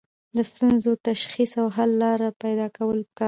د ستونزو تشخیص او حل لاره پیدا کول پکار دي.